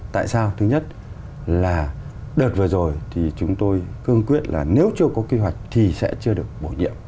tại sao thứ nhất là đợt vừa rồi thì chúng tôi cương quyết là nếu chưa có kế hoạch thì sẽ chưa được bổ nhiệm